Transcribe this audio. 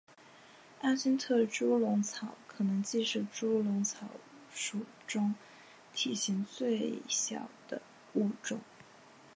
阿金特猪笼草可能既是猪笼草属中体型最小的物种。